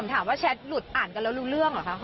ถามว่าแชทหลุดอ่านกันแล้วรู้เรื่องเหรอคะ